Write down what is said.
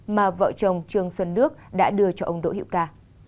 mà vợ chồng trương xuân đức đã đưa cho ông đỗ hiệu ca